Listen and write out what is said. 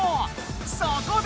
そこで！